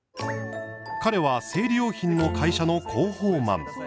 彼は生理用品の会社の広報マン。